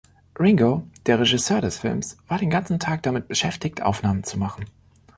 Ringo, der Regisseur des Films, war den ganzen Tag damit beschäftigt, Aufnahmen zu machen.